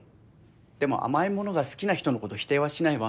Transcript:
でも甘いものが好きな人のこと否定はしないわ。